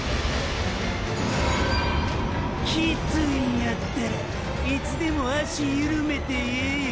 キツイんやったらいつでも足ゆるめてええよ？